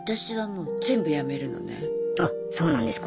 あそうなんですか？